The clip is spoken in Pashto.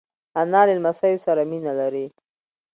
انا له لمسیو سره مینه لري